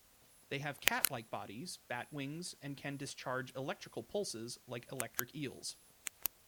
They have cat-like bodies, bat wings, and can discharge electrical pulses like electric eels.